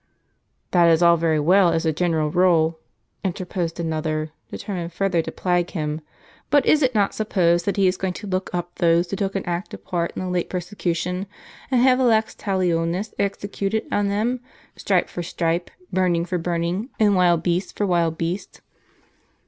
* "That is all very well, as a general rule," interposed another, determined further to plague him; "but is it not supposed that he is going to look up those who took an active part in the late persecution, and have the lex talionis,\ exe cuted on them; stripe for stripe, burning for burning, and wild beast for wild beast ?